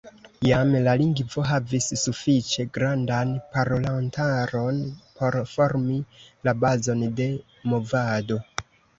Jam la lingvo havis sufiĉe grandan parolantaron por formi la bazon de movado.